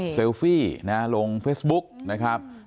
เซลฟี่นะลงเฟสบุ๊คนะครับ